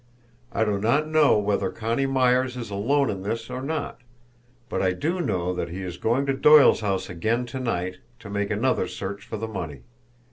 I do not know whether Connie Myers is alone in this or not; but I do know that he is going to Doyle's house again to night to make another search for the money.